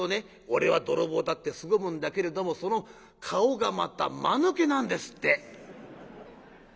『俺は泥棒だ』ってすごむんだけれどもその顔がまたマヌケなんですって」。